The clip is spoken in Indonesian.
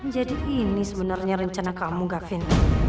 jadi ini sebenernya rencana kamu gakvin